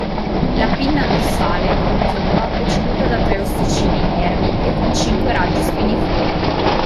La pinna dorsale continua preceduta da tre ossicini inermi e con cinque raggi spiniformi.